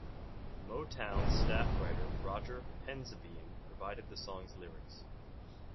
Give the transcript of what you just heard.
Motown staff writer Roger Penzabene provided the song's lyrics.